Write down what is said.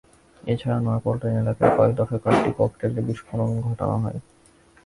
এছাড়া নয়া পল্টন এলাকায় কয়েক দফায় কয়েকটি ককটেলের বিস্ফোরণ ঘটানো হয়।